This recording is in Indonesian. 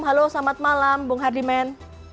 halo selamat malam bung hardiman